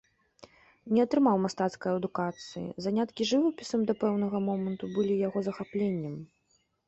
Не атрымаў мастацкай адукацыі, заняткі жывапісам да пэўнага моманту былі яго захапленнем.